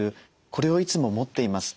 これをいつも持っています。